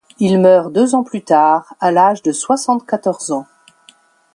Il meurt deux ans plus tard à l'âge de soixante-quatorze ans.